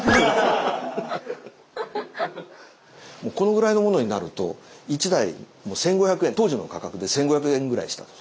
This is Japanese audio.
もうこのぐらいのものになると１台当時の価格で１，５００円ぐらいしたと。